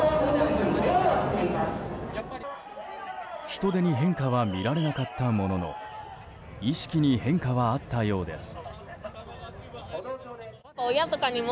人出に変化は見られなかったものの意識に変化はあったようです。